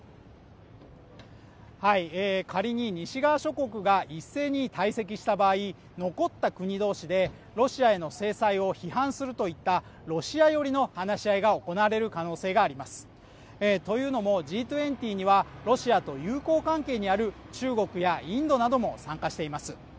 仮に西側諸国が一斉に退席した場合残った国同士でロシアへの制裁を批判するといったロシア寄りの話し合いが行われる可能性がありますというのもＧ２０には、ロシアと友好関係にある中国やインドなども参加しています。